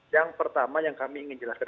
yang pertama yang kami ingin jelaskan